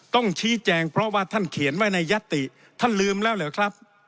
ต้องชี้แจงเพราะว่าท่านเขียนไว้ในยัตติท่านลืมแล้วเหรอครับ